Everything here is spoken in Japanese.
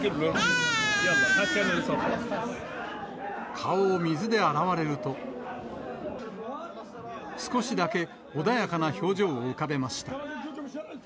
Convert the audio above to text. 顔を水で洗われると、少しだけ穏やかな表情を浮かべました。